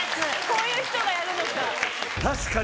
こういう人がやるのか。